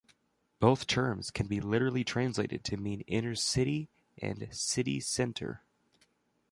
Both terms can be literally translated to mean "inner city" and "city centre".